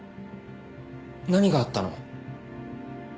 何があったの？